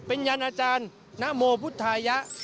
เป็นยันอาจารย์นโมพุทธายะ